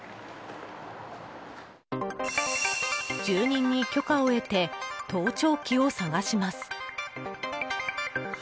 住人に許可を得て盗聴器を探します。